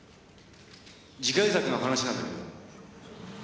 次回作の話なんだけど。